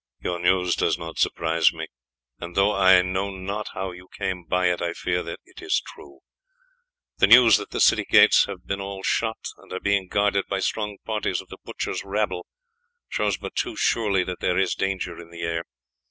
"Your news does not surprise me, and though I know not how you came by it, I fear that it is true. The news that the city gates have been all shut and are being guarded by strong parties of the butchers' rabble, shows but too surely that there is danger in the air.